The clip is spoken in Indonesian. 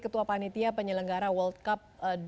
ketua panitia penyelenggara world cup dua puluh